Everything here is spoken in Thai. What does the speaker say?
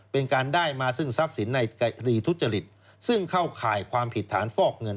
เป็นการได้มาซึ่งทรัพย์สินในคดีทุจริตซึ่งเข้าข่ายความผิดฐานฟอกเงิน